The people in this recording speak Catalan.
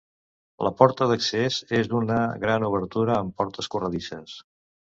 La porta d'accés és una gran obertura amb portes corredisses.